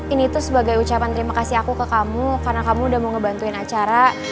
ini tuh sebagai ucapan terima kasih aku ke kamu karena kamu udah mau ngebantuin acara